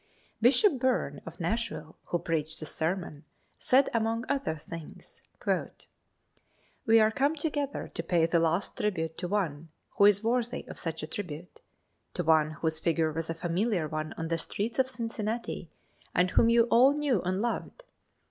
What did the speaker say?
Bishop Byrne, of Nashville, who preached the sermon, said among other things: "We are come together to pay the last tribute to one who is worthy of such a tribute to one whose figure was a familiar one on the streets of Cincinnati, and whom you all knew and loved.